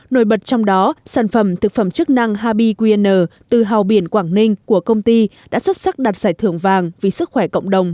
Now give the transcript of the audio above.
nổi bật trong đó sản phẩm thực phẩm chức năng habi qn từ hào biển quảng ninh của công ty đã xuất sắc đạt giải thưởng vàng vì sức khỏe cộng đồng